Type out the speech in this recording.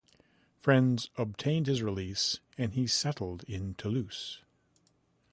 Friends obtained his release and he settled in Toulouse.